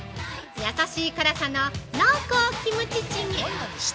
優しい辛さの濃厚キムチチゲ。